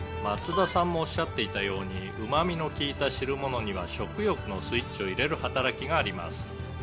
「松田さんもおっしゃっていたようにうまみの利いた汁物には食欲のスイッチを入れる働きがあります」